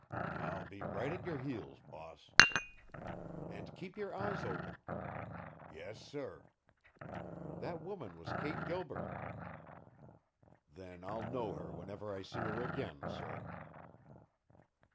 "I'll be right at your heels, boss." "And keep your eyes open." "Yes, sir." "That woman was Kate Gilbert." "Then I'll know her whenever I see her again, sir."